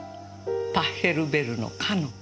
パッヘルベルの『カノン』。